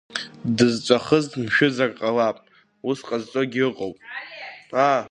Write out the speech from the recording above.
Дызҵәахыз мшәызар ҟалап, ус ҟазҵогьы ыҟоуп…